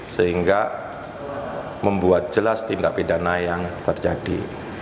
sehingga membuat jelas tindak pidana yang terjadi